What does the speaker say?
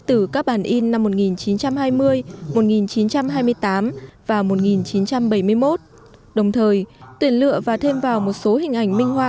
từ các bản in năm một nghìn chín trăm hai mươi một nghìn chín trăm hai mươi tám và một nghìn chín trăm bảy mươi một đồng thời tuyển lựa và thêm vào một số hình ảnh minh họa